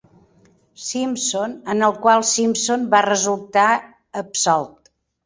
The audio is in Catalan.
Simpson, en el qual Simpson va resultar absolt.